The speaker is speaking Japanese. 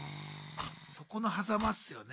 そこのはざまっすよね。